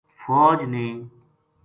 فوج نے